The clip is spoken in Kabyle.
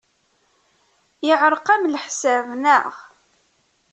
Yeɛreq-am leḥsab, naɣ?